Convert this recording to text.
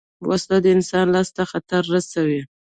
وسله د انسان لاس ته خطر رسوي